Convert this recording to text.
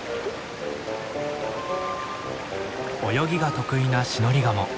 泳ぎが得意なシノリガモ。